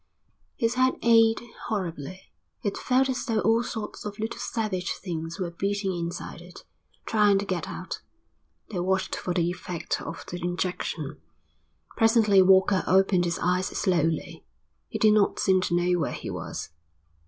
His head ached horribly. It felt as though all sorts of little savage things were beating inside it, trying to get out. They watched for the effect of the injection. Presently Walker opened his eyes slowly. He did not seem to know where he was.